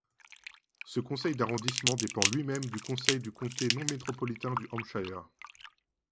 Ce conseil d'arrondissement dépend lui-même du conseil du comté non métropolitain du Hampshire.